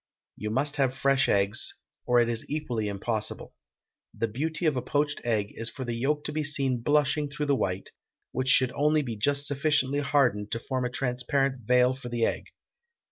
You must have fresh eggs, or it is equally impossible. The beauty of a poached egg is for the yolk to be seen blushing through the white, which should only be just sufficiently hardened to form a transparent veil for the egg.